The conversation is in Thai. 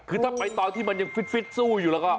คือถ้าไปตอนที่มันยังฟิตสู้อยู่แล้วก็